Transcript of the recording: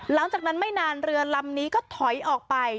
หลังจากนั้นไม่นานเรือลำนี้ก็ถอยออกไป